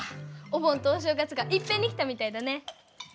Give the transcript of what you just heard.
お盆とお正月がいっぺんに来たみたいだね。